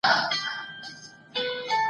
حکمي زوجیت په کوم حالت کې وي؟